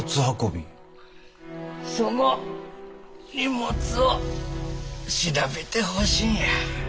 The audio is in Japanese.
その荷物を調べてほしいんや。